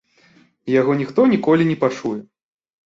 Яго ніхто ніколі не пачуе.